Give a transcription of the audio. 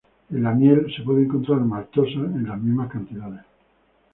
En la miel se puede encontrar la maltosa en las mismas cantidades.